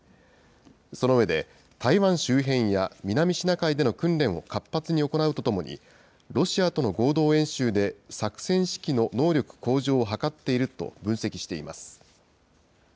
その上で、台湾周辺や南シナ海での訓練を活発に行うとともに、ロシアとの合同演習で、作戦指揮の能力向上を図っていると分析しています。